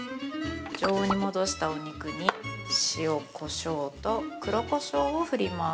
常温に戻したお肉に塩、こしょうと黒こしょうを振ります。